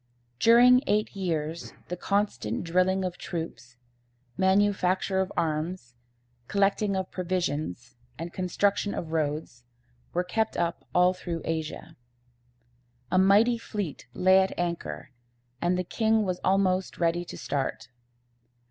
During eight years the constant drilling of troops, manufacture of arms, collecting of provisions, and construction of roads, were kept up all through Asia. A mighty fleet lay at anchor, and the king was almost ready to start.